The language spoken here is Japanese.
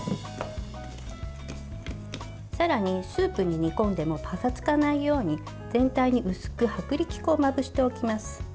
さらにスープに煮込んでもパサつかないように全体に薄く薄力粉をまぶしておきます。